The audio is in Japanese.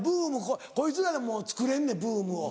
こいつらでもうつくれんねんブームを。